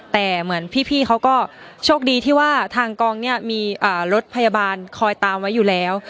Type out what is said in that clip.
แต่เหมือนพี่เขาก็โชคดีที่ว่าทางกองเนี่ยมีรถพยาบาลคอยตามไว้อยู่แล้ว